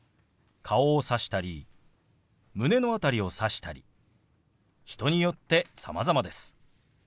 顔をさしたり胸の辺りをさしたり人によってさまざまです。